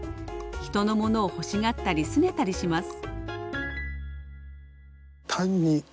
人のものを欲しがったりすねたりします。